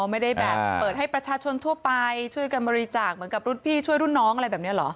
ไม่ได้แบบเปิดให้ประชาชนทั่วไปช่วยกันบริจาคเหมือนกับรุ่นพี่ช่วยรุ่นน้องอะไรแบบนี้เหรอ